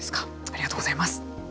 ありがとうございます。